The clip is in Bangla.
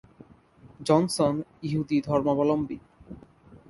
জনসন ইহুদি ধর্মাবলম্বী।